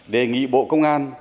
đề nghị bộ công an